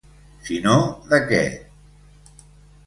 Si no, de què?